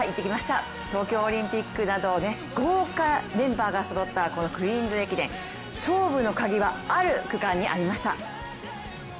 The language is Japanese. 東京オリンピックなど豪華メンバーがそろったこのクイーンズ駅伝勝負のカギはある区間にありました。